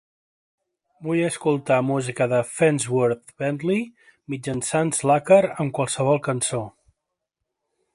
Vull escoltar música de Fonzworth Bentley mitjançant Slacker amb qualsevol cançó.